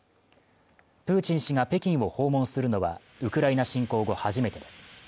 プーチン氏が北京を訪問するのはウクライナ侵攻後初めてです